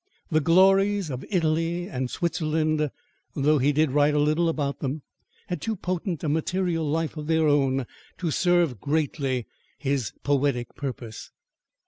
The glories of Italy and Switzerland, though he did write a little about them, had too potent a material life of their own to serve greatly his poetic purpose.